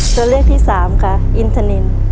จะเลือกที่๓ค่ะอินทนิน